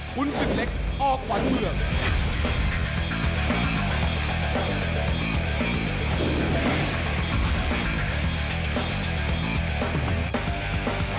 หุ้นตึกเล็กออกหวานเมือง